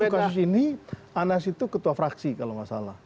jadi waktu kasus ini anas itu ketua fraksi kalau nggak salah